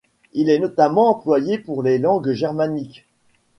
Il est notamment employé pour les langues germaniques.